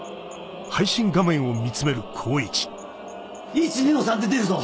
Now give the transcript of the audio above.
１２の３で出るぞ！